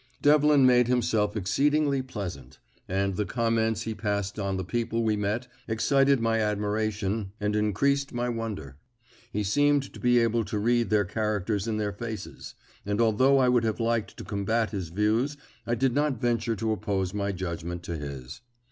Devlin made himself exceedingly pleasant, and the comments he passed on the people we met excited my admiration and increased my wonder. He seemed to be able to read their characters in their faces, and although I would have liked to combat his views I did not venture to oppose my judgment to his.